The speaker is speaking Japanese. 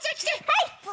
はい！